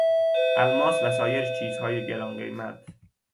الماس و سایر چیزهای گرانقیمت